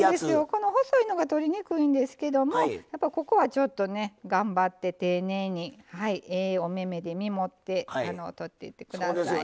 この細いのが取りにくいんですけどもここはちょっとね頑張って丁寧にええお目々で見もって取っていって下さい。